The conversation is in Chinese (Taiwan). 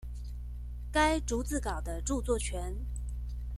該逐字稿的著作權